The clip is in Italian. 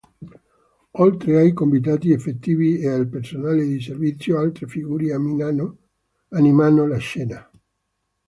Oltre ai convitati effettivi e al personale di servizio altre figure animano la scena.